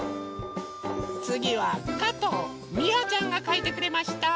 つぎはかとうみあちゃんがかいてくれました。